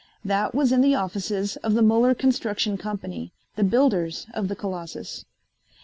That was in the offices of the Muller Construction Company, the builders of the Colossus.